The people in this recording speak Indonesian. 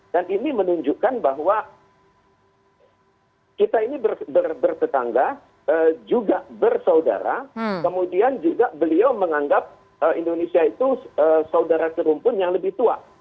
dan ini menunjukkan bahwa kita ini bersetangga juga bersaudara kemudian juga beliau menganggap indonesia itu saudara serumpun yang lebih tua